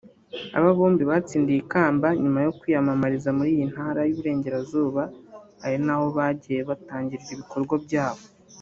Aba bombi batsindiye ikamba nyuma yo kwiyamamariza muri iyi Ntara y’Uburengerazuba ari naho bagiye batangirira ibikorwa byabo